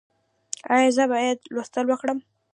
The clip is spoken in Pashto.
ایا زه باید لوستل وکړم؟